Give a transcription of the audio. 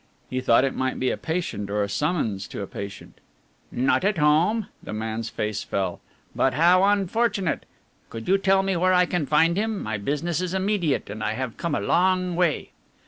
He thought it might be a patient or a summons to a patient. "Not at home?" The man's face fell. "But how unfortunate! Could you tell me where I can find him, my business is immediate and I have come a long way."